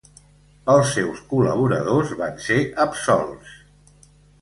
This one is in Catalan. Els seus col·laboradors van ser absolts.